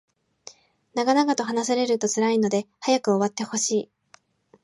長々と話されると辛いので早く終わってほしい